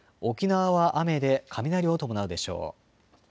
沖縄は雨で雷を伴うでしょう。